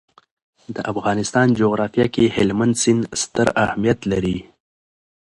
د افغانستان جغرافیه کې هلمند سیند ستر اهمیت لري.